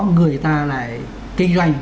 người ta lại kinh doanh